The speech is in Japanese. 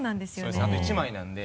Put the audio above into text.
あと１枚なんで。